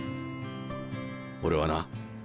俺はな